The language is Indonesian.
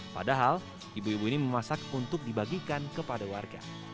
padahal ibu ibu ini memasak untuk dibagikan kepada warga